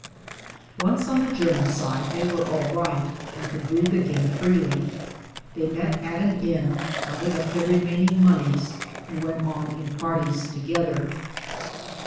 Once on the German side they were all right, and could breathe again freely. They met at an inn, counted up their remaining monies, and went on in parties together.